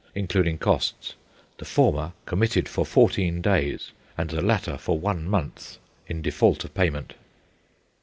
including costs; the former committed for fourteen days and the latter for one month in default of payment.